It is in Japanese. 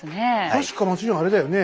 確か松潤あれだよね。